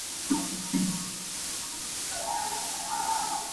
قصاب قصابي کول، يتيم ورځ ورته تېره کړه.